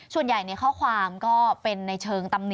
ส่วนใหญ่ข้อความก็เป็นในเชิงตํ